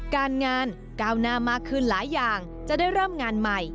การงานก้าวหน้ามากขึ้นหลายอย่างจะได้เริ่มงานใหม่